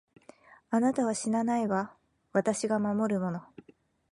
あなたは死なないわ、私が守るもの。